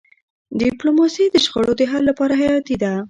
ډيپلوماسي د شخړو د حل لپاره حیاتي ده.